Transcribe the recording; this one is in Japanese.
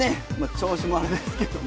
調子もあれですけど。